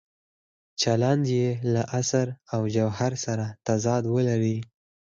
چلند یې له اصل او جوهر سره تضاد ولري.